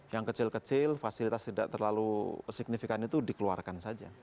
yang kecil kecil fasilitas tidak terlalu signifikan itu dikeluarkan saja